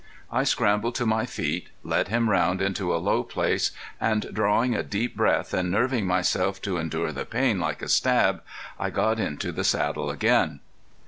I scrambled to my feet, led him round into a low place, and drawing a deep breath, and nerving myself to endure the pain like a stab, I got into the saddle again.